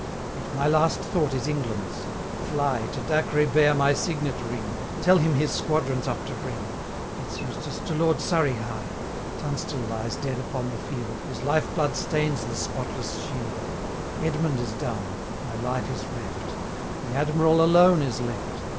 Yet my last thought is England's fly, 880 To Dacre bear my signet ring: Tell him his squadrons up to bring. Fitz Eustace, to Lord Surrey hie; Tunstall lies dead upon the field, His life blood stains the spotless shield: 885 Edmund is down; my life is reft; The Admiral alone is left.